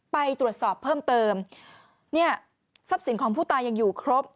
ไปตรวจสอบเพิ่มเติมเนี่ยทรัพย์สินของผู้ตายยังอยู่ครบ